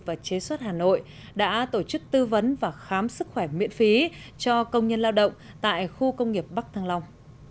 và chế xuất hà nội đã tổ chức tư vấn và khám sức khỏe miễn phí cho công nhân lao động tại khu công nghiệp bắc thăng long